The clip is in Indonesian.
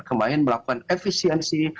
kemarin melakukan efisiensi